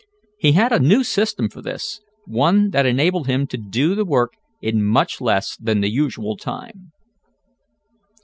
He had a new system for this, one that enabled him to do the work in much less than the usual time.